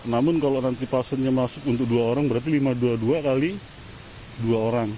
namun kalau nanti pasiennya masuk untuk dua orang berarti lima dua puluh dua kali dua orang